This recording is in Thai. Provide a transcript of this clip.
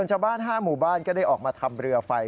ชาวบ้าน๕หมู่บ้านก็ได้ออกมาทำเรือไฟ